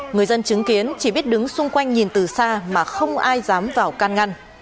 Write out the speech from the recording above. người dân chứng kiến chỉ biết đứng xung quanh nhìn từ xa mà không ai dám vào can ngăn